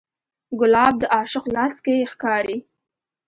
ګلاب د عاشق لاس کې ښکاري.